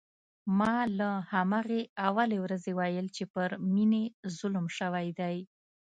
ما له همهغې اولې ورځې ویل چې پر مينې ظلم شوی دی